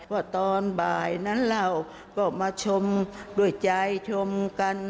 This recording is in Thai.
ว่าตอนบ่ายนั้นเราก็มาชมด้วยใจชมกัน